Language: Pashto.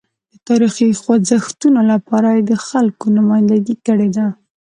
د تاریخي خوځښتونو لپاره یې د خلکو نمایندګي کړې ده.